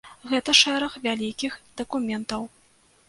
Гэта шэраг вялікіх дакументаў.